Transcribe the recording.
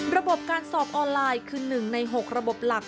ระบบการสอบออนไลน์คือ๑ใน๖ระบบหลัก